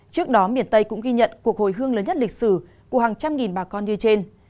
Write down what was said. trước đó miền tây cũng ghi nhận cuộc hồi hương lớn nhất lịch sử của hàng trăm nghìn bà con như trên